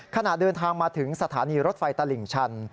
ขณะเดินทางมาถึงสถานีรถไฟตลิ่งชัน